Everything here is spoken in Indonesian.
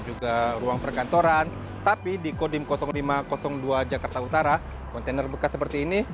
juga ruang perkantoran tapi di kodim lima ratus dua jakarta utara kontainer bekas seperti ini